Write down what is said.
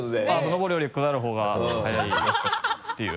上るより下る方が速いっていう。